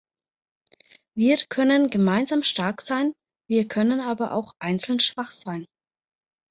Wir können gemeinsam stark sein, wir können aber auch einzeln schwach sein.